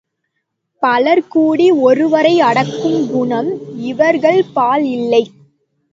பலர் கூடி ஒருவரை அடக்கும் குணம் இவர்கள்பால் இல்லை.